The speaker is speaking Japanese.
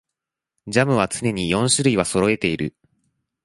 ジャムは常に四種類はそろえている